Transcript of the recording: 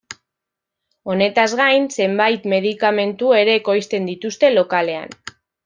Honetaz gain, zenbait medikamentu ere ekoizten dituzte lokalean.